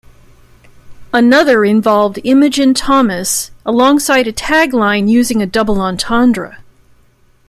Another involved Imogen Thomas alongside a tagline using a double entendre.